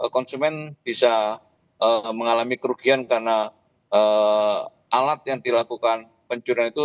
konsumen bisa mengalami kerugian karena alat yang dilakukan pencurian itu